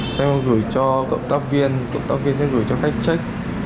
sau khi gửi cho cộng tác viên cộng tác viên sẽ gửi cho khách check